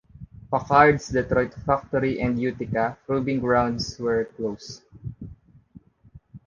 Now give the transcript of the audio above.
Packard's Detroit factory and Utica proving grounds were closed.